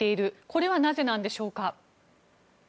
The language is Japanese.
これはなぜなんでしょうか。